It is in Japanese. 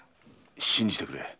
信じてくれ。